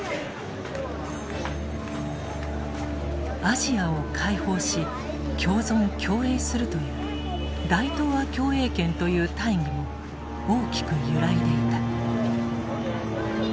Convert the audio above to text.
アジアを解放し共存共栄するという大東亜共栄圏という大義も大きく揺らいでいた。